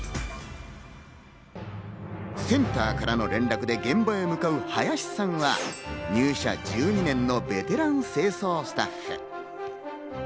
センターからの連絡で現場に向かう林さんは入社１２年のベテラン清掃スタッフ。